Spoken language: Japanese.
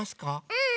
うん！